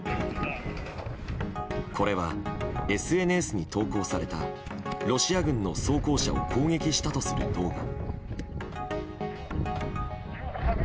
これはＳＮＳに投稿されたロシア軍の装甲車を攻撃したとする動画。